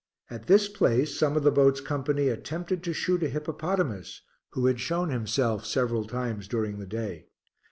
At this place, some of the boat's company attempted to shoot a hippopotamus, who had shown himself several times during the day.